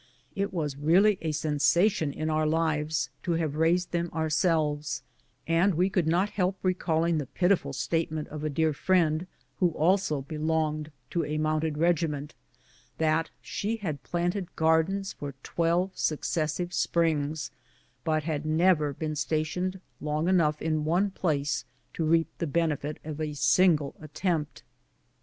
It was really a sensation in our lives to have raised them ourselves, and we could not help recalling the pitiful statement of a dear friend, who also belonged to a mounted regiment, that she had planted gardens for twelve successive springs, but liad never been stationed long enough in one place to reap the benefit of a single attempt.